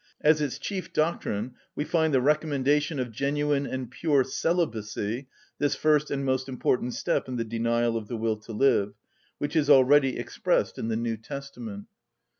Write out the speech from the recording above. As its chief doctrine we find the recommendation of genuine and pure celibacy (this first and most important step in the denial of the will to live), which is already expressed in the New Testament.